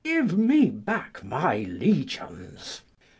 give me back my legions!"